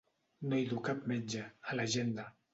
No hi du cap metge, a l'agenda.